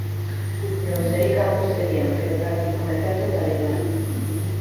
Non sei cantos serían, pero practicamente a totalidade.